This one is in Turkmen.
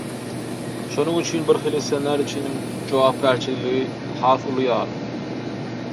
Şonuň üçin, birhili ssenariçiniň jogapkärçiligi has uly ýaly.